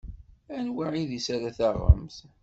Anwa idis ara taɣemt?